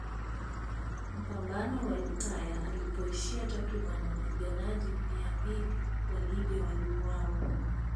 Mpambano wa Lukaya ulipoisha takriban wapiganajji mia mbili wa Libya waliuawa